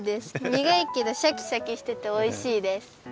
にがいけどシャキシャキしてておいしいです。